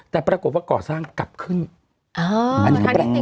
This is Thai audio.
แต่ปรากฏว่าก่อสร้างกลับขึ้นอ๋ออันนี้เปล่า